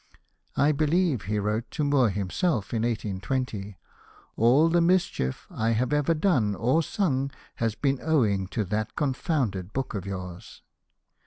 " I believe," he wrote to Moore himself in 1820, "all the mischief I have ever done or sung has been owing to that con founded book of yours."